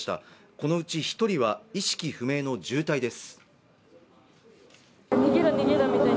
このうち１人は意識不明の重体です。